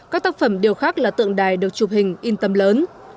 các tác phẩm điều khác là tượng đài được chụp hình in tâm lớn